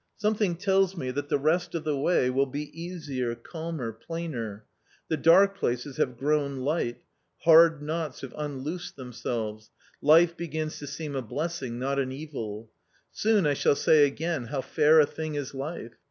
Something tells me that the rest ofTneway \^. f\ "^wiilBe^easier, calmer, plainer The dark places have :^ x grown light ; hard knots have unloosed themselves ; life begins to seem a blessing, not an evil. Soon I shall say again, how fair a thing is life